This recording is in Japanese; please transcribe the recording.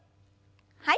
はい。